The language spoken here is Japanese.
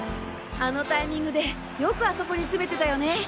あのタイミングでよくあそこに詰めてたよね。